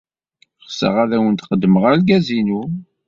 Ɣseɣ ad awen-d-qeddmeɣ argaz-inu.